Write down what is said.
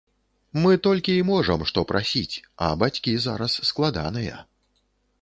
Мы толькі і можам, што прасіць, а бацькі зараз складаныя.